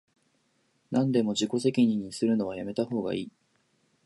なんでも自己責任にするのはやめたほうがいい